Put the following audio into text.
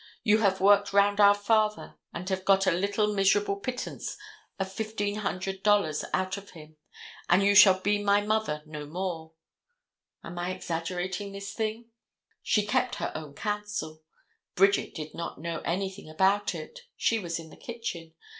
You have worked round our father and have got a little miserable pittance of $1,500 out of him, and you shall be my mother no more. Am I exaggerating this thing? She kept her own counsel. Bridget did not know anything about it. She was in the kitchen.